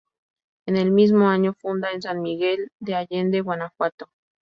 En el mismo año funda en San Miguel de Allende, Guanajuato.